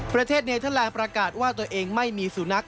ประเทศเนเทอร์แลนด์ประกาศว่าตัวเองไม่มีสุนัข